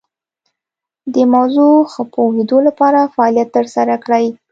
د موضوع ښه پوهیدو لپاره فعالیت تر سره کړئ.